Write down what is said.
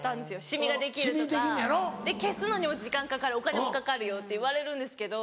シミができるとか消すのにも時間かかるお金もかかるよって言われるんですけど。